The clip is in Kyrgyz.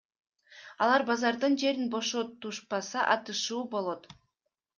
Алар базардын жерин бошотушпаса атышуу болот.